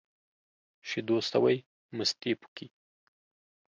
شيدو سوى ، مستې پوکي.